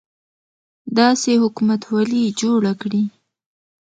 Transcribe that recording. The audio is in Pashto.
داسې حکومتولي جوړه کړي.